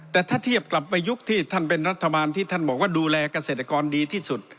แต่ถ้าเทียบกลับไปยุคที่ท่านเป็นรัฐบาลที่ท่านบอกว่าดูแลเกษตรกรดีที่สุด